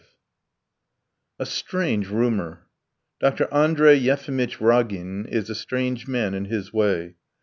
V A strange rumour! Dr. Andrey Yefimitch Ragin is a strange man in his way.